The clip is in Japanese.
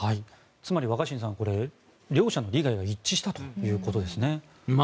つまり若新さん両者の利害が一致したということですね。